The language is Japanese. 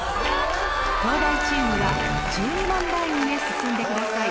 東大チームは１２問ラインへ進んでください。